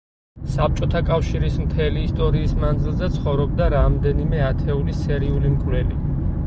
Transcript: საბჭოთა კავშირის მთელი ისტორიის მანძილზე ცხოვრობდა რამდენიმე ათეული სერიული მკვლელი.